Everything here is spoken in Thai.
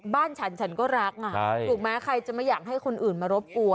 บ้านฉันฉันก็รักถูกไหมใครจะไม่อยากให้คนอื่นมารบกวน